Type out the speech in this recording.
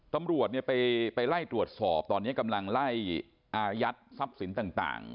ตำรวจไปไล่ตรวจสอบตอนนี้กำลังไล่อายัดทรัพย์สินต่าง